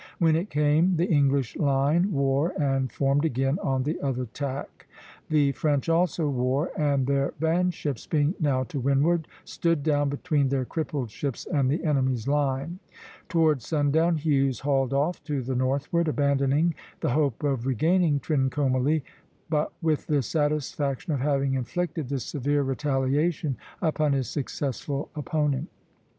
When it came, the English line wore, and formed again on the other tack. The French also wore; and their van ships, being now to windward, stood down between their crippled ships and the enemy's line (C). Toward sundown Hughes hauled off to the northward, abandoning the hope of regaining Trincomalee, but with the satisfaction of having inflicted this severe retaliation upon his successful opponent.